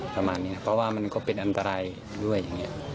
ประมาณนี้นะเพราะว่ามันก็เป็นอันตรายด้วย